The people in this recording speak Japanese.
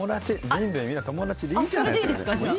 人類みな友達でいいじゃないですか。